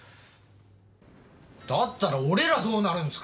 だったら俺らどうなるんすか！？